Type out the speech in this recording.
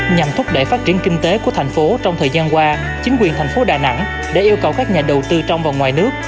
nhằm thúc đẩy phát triển kinh tế của thành phố trong thời gian qua chính quyền thành phố đà nẵng đã yêu cầu các nhà đầu tư trong và ngoài nước